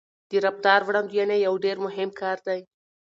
د رفتار وړاندوينه یو ډېر مهم کار دی.